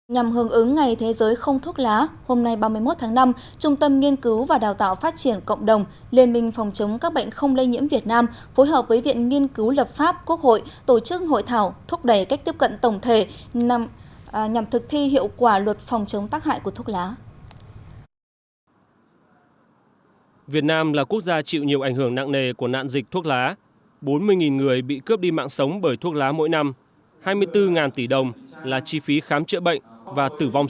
nhằm hưởng ứng ngày thế giới không thuốc lá hôm nay ba mươi một tháng năm trung tâm nghiên cứu và đào tạo phát triển cộng đồng liên minh phòng chống các bệnh không lây nhiễm việt nam phối hợp với viện nghiên cứu lập pháp quốc hội tổ chức hội thảo thúc đẩy cách tiếp cận tổng thể nhằm thực thi hiệu quả luật phòng chống tác hại của thuốc lá